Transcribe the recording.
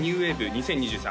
２０２３」